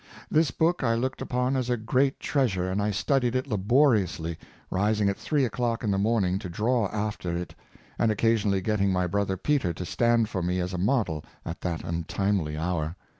This book I looked upon as a great treasure, and I studied it laboriously, rising at three o'clock in the morning to draw after it, and occasionally getting my brother Peter to stand for me as a model at that un timely hour.